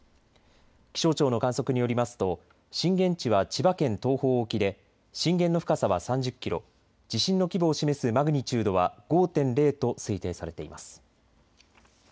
気象庁の観測によりますと震源地は千葉県東方沖で震源の深さは３０キロ、地震の規模を示すマグニチュードは５．０と推定されています。